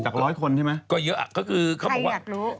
จักรร้อยคนใช่ไหมก็เยอะใครอยากรู้